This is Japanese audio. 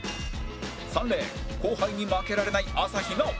３レーン後輩に負けられない朝日奈央